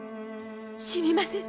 死にませぬ！